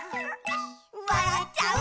「わらっちゃう」